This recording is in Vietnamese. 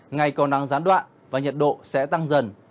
ngày có nắng gián đoạn và nhiệt độ sẽ tăng dần